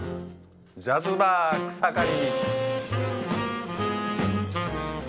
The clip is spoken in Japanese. ジャズバー草刈。